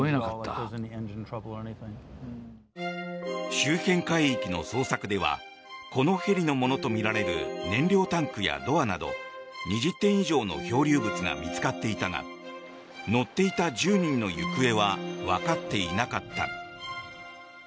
周辺海域の捜索ではこのヘリのものとみられる燃料タンクやドアなど２０点以上の漂流物が見つかっていたが乗っていた１０人の行方はわかっていなかった。